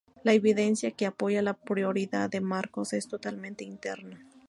La evidencia que apoya la prioridad de Marcos es totalmente interna.